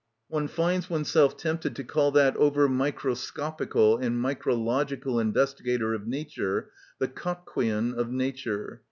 One finds oneself tempted to call that over microscopical and micrological investigator of nature the cotquean of nature.